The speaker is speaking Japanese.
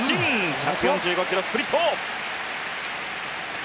１４５キロ、スプリット。